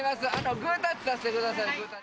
グータッチさせてください。